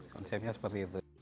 konsepnya seperti itu